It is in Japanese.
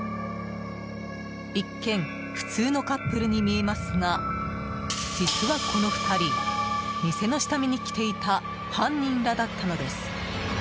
一見普通のカップルに見えますが実はこの２人店の下見に来ていた犯人らだったのです。